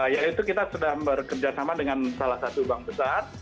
yaitu kita sudah bekerjasama dengan salah satu bank besar